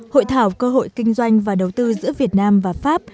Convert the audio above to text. hội thảo cơ hội kinh doanh và đầu tư giữa việt nam và pháp